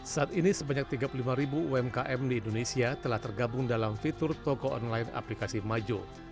saat ini sebanyak tiga puluh lima ribu umkm di indonesia telah tergabung dalam fitur toko online aplikasi majo